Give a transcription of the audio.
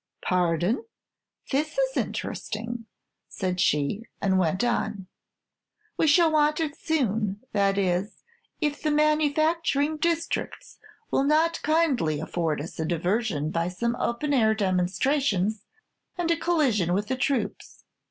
"Pardon! this is interesting," said she, and went on: "We shall want it soon; that is, if the manufacturing districts will not kindly afford us a diversion by some open air demonstrations and a collision with the troops.